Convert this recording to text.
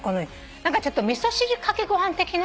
何かちょっと味噌汁かけご飯的な。